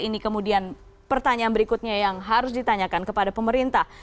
ini kemudian pertanyaan berikutnya yang harus ditanyakan kepada pemerintah